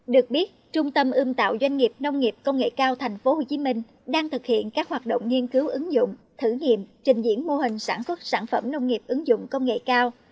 được biết trung tâm ưm tạo doanh nghiệp nông nghiệp công nghệ cao thành phố hồ chí minh đang thực hiện các hoạt động nghiên cứu ứng dụng thử nghiệm trình diễn mô hình sản xuất sản phẩm nông nghiệp ứng dụng công nghệ cao